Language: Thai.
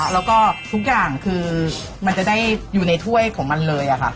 แล้วก็ทุกอย่างคือมันจะได้อยู่ในถ้วยของมันเลย